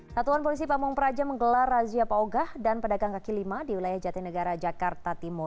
satuan polisi pamung praja menggelar razia paugah dan pedagang kaki lima di wilayah jatinegara jakarta timur